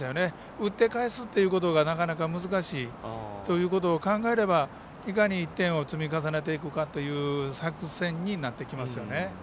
打ってかえすということがなかなか難しいということを考えればいかに１点を積み重ねていくかっていう作戦になってきますよね。